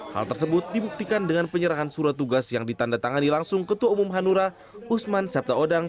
hal tersebut dibuktikan dengan penyerahan surat tugas yang ditanda tangani langsung ketua umum hanura usman sabtaodang